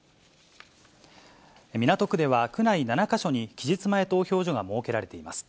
港区では、区内７か所に期日前投票所が設けられています。